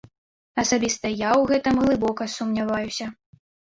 Асабіста я ў гэтым глыбока сумняваюся.